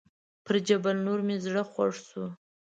پر جبل النور مې زړه خوږ شو.